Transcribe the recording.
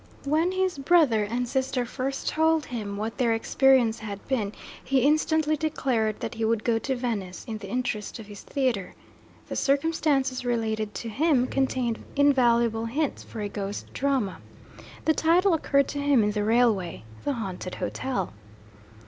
When his brother and sister first told him what their experience had been, he instantly declared that he would go to Venice in the interest of his theatre. The circumstances related to him contained invaluable hints for a ghost drama. The title occurred to him in the railway: 'The Haunted Hotel.'